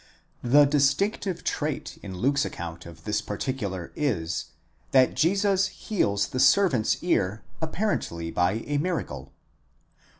The distinctive trait in Luke's account of this particular is, that Jesus heals the servant's ear, apparently by a miracle.